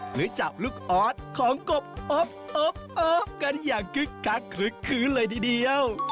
หรือจับลูกออสของกบอบกันอย่างคึกคักคลึกคืนเลยทีเดียว